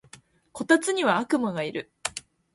こたつには悪魔がいる